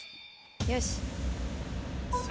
よし。